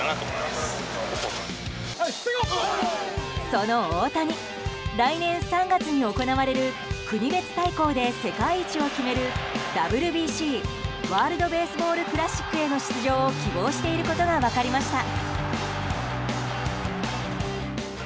その大谷、来年３月に行われる国別対抗で世界一を決めるＷＢＣ・ワールド・ベースボール・クラシックへの出場を希望していることが分かりました。